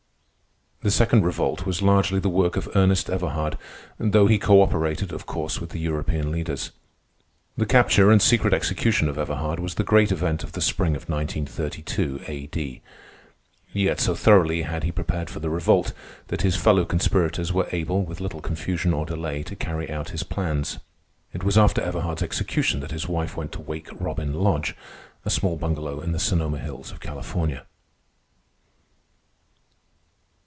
The Second Revolt was largely the work of Ernest Everhard, though he coöperated, of course, with the European leaders. The capture and secret execution of Everhard was the great event of the spring of 1932 A.D. Yet so thoroughly had he prepared for the revolt, that his fellow conspirators were able, with little confusion or delay, to carry out his plans. It was after Everhard's execution that his wife went to Wake Robin Lodge, a small bungalow in the Sonoma Hills of California.